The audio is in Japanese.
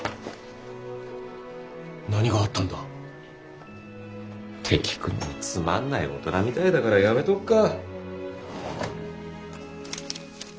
何があったんだ？って聞くのもつまんない大人みたいだからやめとくか。